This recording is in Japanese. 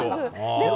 でも。